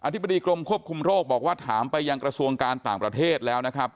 ธิบดีกรมควบคุมโรคบอกว่าถามไปยังกระทรวงการต่างประเทศแล้วนะครับ